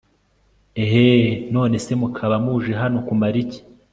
eheee nonese mukaba muje hano kumara iki